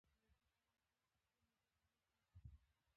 افغانستان تر هغو نه ابادیږي، ترڅو له مادي او معنوي پرمختګ خلاص نشو.